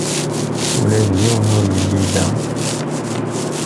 Ula d yiwen ur yelli da.